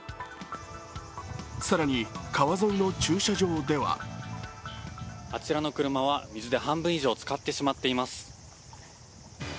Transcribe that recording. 更に、川沿いの駐車場ではあちらの車は水で半分以上つかってしまっています。